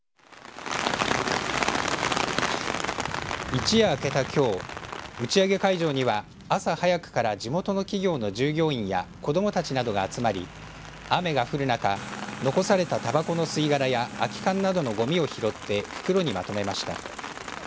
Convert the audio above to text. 一夜明けた、きょう打ち上げ会場には朝早くから地元の企業の従業員や子どもたちなどが集まり雨が降る中残された、たばこの吸い殻や空き缶などのごみを拾って袋にまとめました。